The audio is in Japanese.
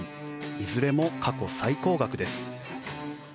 いずれも過去最高額です。